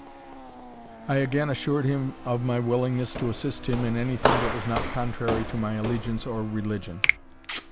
I again assured him of my willingness to assist him in anything that was not contrary to my allegiance or religion.